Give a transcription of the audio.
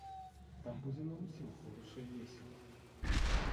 Там будзе нам усім хораша і весела.